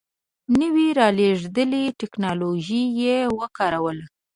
نوې رالېږدېدلې ټکنالوژي یې وکاروله.